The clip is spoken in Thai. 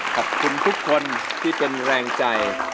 ขอบคุณทุกคนที่เป็นแรงใจ